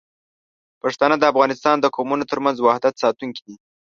پښتانه د افغانستان د قومونو ترمنځ وحدت ساتونکي دي.